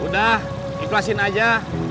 udah ikhlasin aja